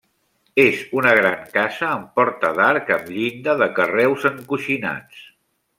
És una gran casa amb porta d'arc amb llinda, de carreus encoixinats.